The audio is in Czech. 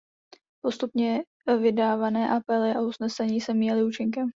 Postupně vydávané apely a usnesení se míjely účinkem.